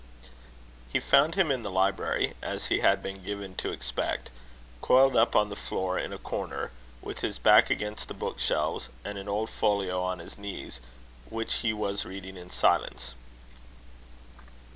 He found him in the library, as he had been given to expect, coiled up on the floor in a corner, with his back against the book shelves, and an old folio on his knees, which he was reading in silence.